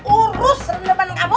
urus lebih lemah dari kamu